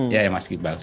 ya mas iba